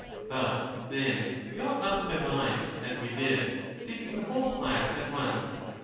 But then we ought not to divide, as we did, taking the whole class at once.